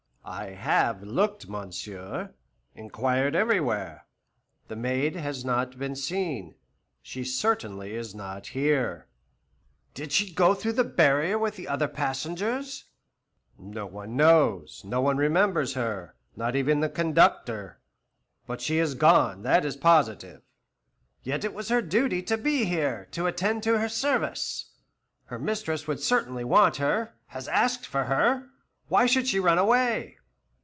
"I have looked, monsieur, inquired everywhere; the maid has not been seen. She certainly is not here." "Did she go through the barrier with the other passengers?" "No one knows; no one remembers her; not even the conductor. But she has gone. That is positive." "Yet it was her duty to be here; to attend to her service. Her mistress would certainly want her has asked for her! Why should she run away?"